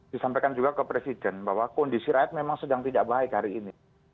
disampaikan juga ke presiden bahwa kondisi rakyat memang sedang tidak baik hari ini